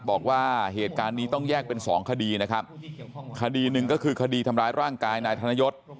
บอกว่าเหตุการณ์นี้ต้องแยกเป็นสองคดีนะครับคดีหนึ่งก็คือคดีทำร้ายร่างกายนายธนยศ